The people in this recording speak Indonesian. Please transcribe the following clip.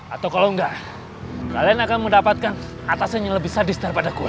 atau kalau enggak kalian akan mendapatkan atasan yang lebih sadis daripada gue